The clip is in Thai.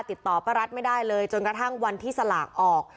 ติดต่อป้ารัฐไม่ได้เลยจนกระทั่งวันที่สลากออก